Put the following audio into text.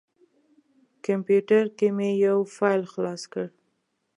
کمپیوټر کې مې یو فایل خلاص کړ.